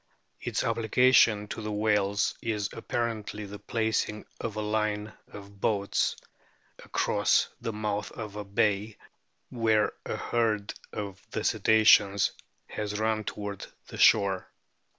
o o Its application to the whales is apparently the placing of a line of boats across the mouth of a bay where a herd of the Cetaceans has run toward the shore.